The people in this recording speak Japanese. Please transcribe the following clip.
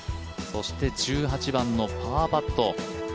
そして１８番のパーパット。